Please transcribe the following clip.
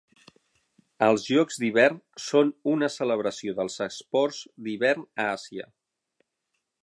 Els Jocs d'Hivern són una celebració dels esports d'hivern a Àsia.